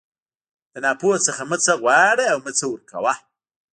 د ناپوه څخه مه څه غواړه او مه څه ورکوه.